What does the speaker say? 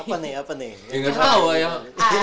apa nih apa nih yang ngerawah yang